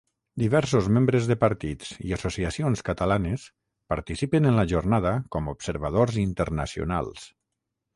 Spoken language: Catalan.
Diversos membres de partits i associacions catalanes participen en la jornada com observadors internacionals.